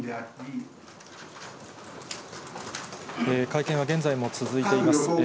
会見は現在も続いています。